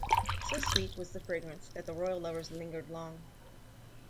So sweet was the fragrance that the royal lovers lingered long.